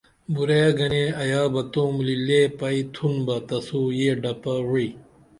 بُرعیے گنے ایا بہ توملی لے پئی تُھن بہ تسو یہ ڈپہ وعی